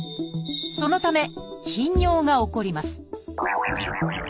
そのため頻尿が起こります